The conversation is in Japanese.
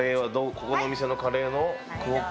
ここのお店のカレーのクオッカ。